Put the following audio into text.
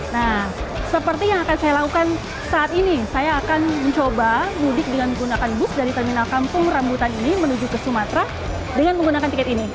nah seperti yang akan saya lakukan saat ini saya akan mencoba mudik dengan menggunakan bus dari terminal kampung rambutan ini menuju ke sumatera dengan menggunakan tiket ini